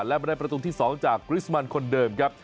และมาได้ประตูที่๒จากกริสมันคนเดิมครับ